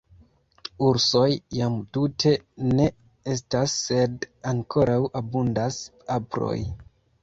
Ursoj jam tute ne estas sed ankoraŭ abundas aproj.